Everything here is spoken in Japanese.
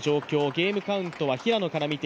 ゲームカウントは平野から見て